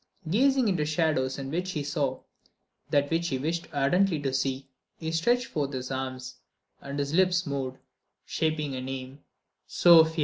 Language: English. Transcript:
Gazing into shadows in which he saw that which he wished ardently to see, he stretched forth his arms, and his lips moved, shaping a name: "Sofia!"